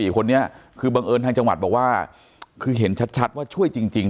คนนี้คือบังเอิญทางจังหวัดบอกว่าคือเห็นชัดว่าช่วยจริง